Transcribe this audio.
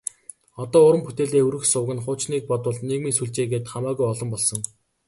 Одоо уран бүтээлээ хүргэх суваг нь хуучныг бодвол нийгмийн сүлжээ гээд хамаагүй олон болсон.